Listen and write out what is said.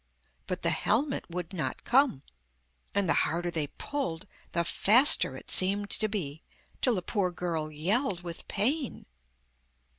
But the helmet would not come, and the harder they pulled, the faster it seemed to be, till the poor girl yelled with pain.